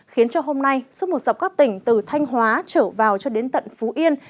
khiến cho hôm nay suốt một dọc các tỉnh từ thanh hóa trở vào cho đến tận phú yên